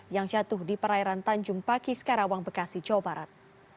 yang jatuh di perairan tanjung pakis karawang bekasi jawa barat